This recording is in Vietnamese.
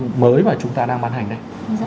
các phổ thông mới mà chúng ta đang bán hành đây